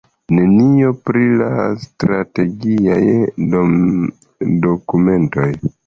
Nenio pri la strategiaj dokumentoj.